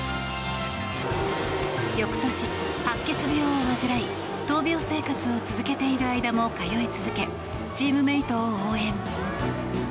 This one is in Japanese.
翌年、白血病を患い闘病生活を続けている間も通い続け、チームメートを応援。